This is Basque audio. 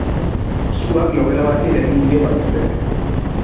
Suak logela bati eragin dio batez ere.